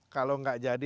kalau nggak jadi